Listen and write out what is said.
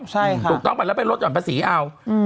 ถูกต้องแต่ละไปลดอ่อนภาษีเอา